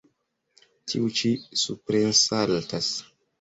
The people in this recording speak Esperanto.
Tiu ĉi suprensaltas.